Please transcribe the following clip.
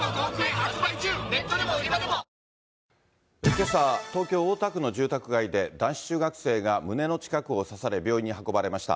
けさ、東京・大田区の住宅街で、男子中学生が胸の近くを刺され病院に運ばれました。